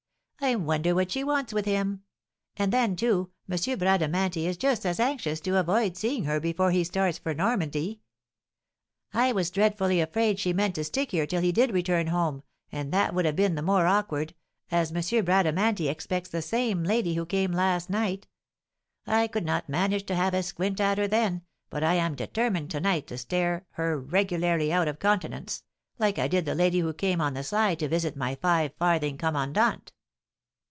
"I wonder what she wants with him? And then, too, M. Bradamanti is just as anxious to avoid seeing her before he starts for Normandy. I was dreadfully afraid she meant to stick here till he did return home, and that would have been the more awkward, as M. Bradamanti expects the same lady who came last night; I could not manage to have a squint at her then, but I am determined to night to stare her regularly out of countenance, like I did the lady who came on the sly to visit my five farthing commandant.